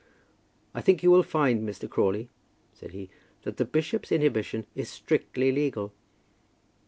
"I think you will find, Mr. Crawley," said he, "that the bishop's inhibition is strictly legal."